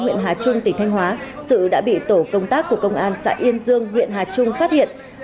huyện hà trung tỉnh thanh hóa sự đã bị tổ công tác của công an xã yên dương huyện hà trung phát hiện